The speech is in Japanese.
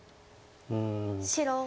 うん。